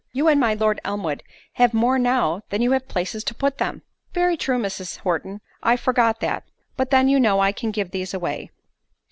You and my Lord Elmwood have more now, than you have places to put them in." "Very true, Mrs. Horton—I forgot that—but then you know I can give these away."